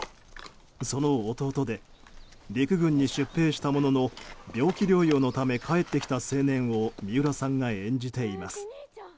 その弟で、陸軍に出兵したものの病気療養のため帰ってきた青年を三浦さんが演じています。